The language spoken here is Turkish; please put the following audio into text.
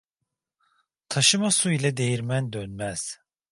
Taşıma su ile değirmen dönmez.